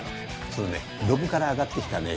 そのねドブから上がってきたね